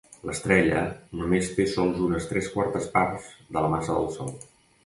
L'estrella només té sols unes tres quartes parts de la massa del sol.